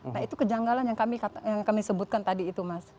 nah itu kejanggalan yang kami sebutkan tadi itu mas